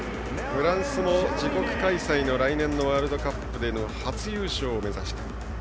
フランスも自国開催の来年のワールドカップでの初優勝を目指して。